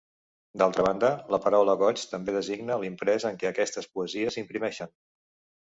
D'altra banda, la paraula goigs també designa l'imprès en què aquestes poesies s'imprimeixen.